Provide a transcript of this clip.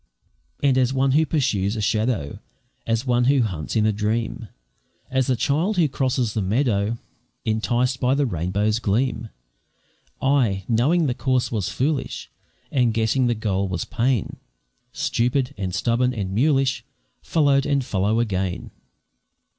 And as one who pursues a shadow, As one who hunts in a dream, As the child who crosses the meadow, Enticed by the rainbow's gleam, I knowing the course was foolish, And guessing the goal was pain, Stupid, and stubborn, and mulish Followed and follow again.